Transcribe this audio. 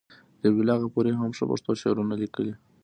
ذبیح الله غفوري هم ښه پښتو شعرونه لیکي.